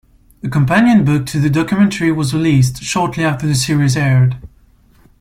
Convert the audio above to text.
A companion book to the documentary was released shortly after the series aired.